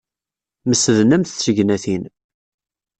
Mesden am tsegnatin.